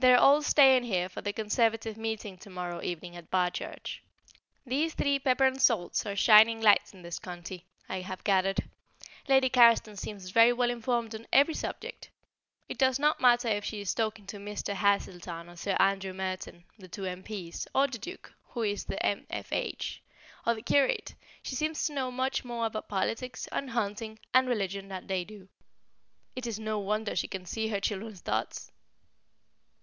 They are all staying here for the Conservative meeting to morrow evening at Barchurch. These three pepper and salts are shining lights in this county, I have gathered. Lady Carriston seems very well informed on every subject. It does not matter if she is talking to Mr. Haselton or Sir Andrew Merton, (the two M.P.'s), or the Duke, who is the M.F.H., or the curate; she seems to know much more about politics, and hunting, and religion than they do. It is no wonder she can see her children's thoughts!